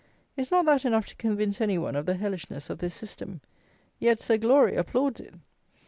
Is not that enough to convince any one of the hellishness of this system? Yet Sir Glory applauds it.